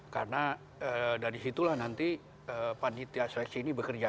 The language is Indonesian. karena dari situlah nanti panitia seleksi ini bekerja